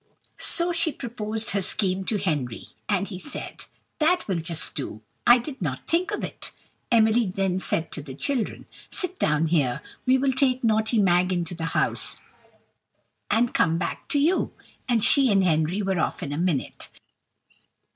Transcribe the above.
So she proposed her scheme to Henry, and he said: "That will just do; I did not think of it." Emily then said to the children: "Sit down here; we will take naughty Mag into the house, and come back to you;" and she and Henry were off in a minute.